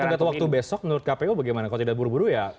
tapi ada tiga waktu besok menurut kpu bagaimana kalau tidak buru buru ya